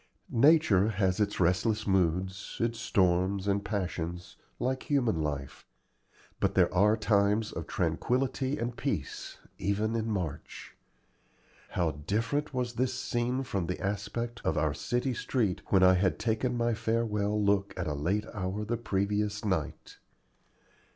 Nature has its restless moods, its storms and passions, like human life; but there are times of tranquillity and peace, even in March. How different was this scene from the aspect of our city street when I had taken my farewell look at a late hour the previous night!